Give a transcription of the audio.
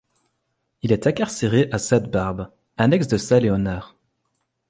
Il est incarcéré à Sainte-Barbe, annexe de Saint-Léonard.